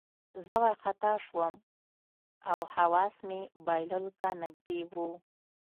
زه وارخطا شوم او حواس مې بایللو ته نږدې وو